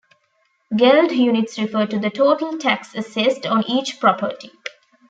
Geld units refer to the total tax assessed on each property.